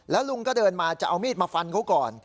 แล้วลุงก็เดินมาจะเอามีดมาฟันเขาก่อน